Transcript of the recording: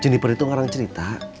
jeniper itu ngarang cerita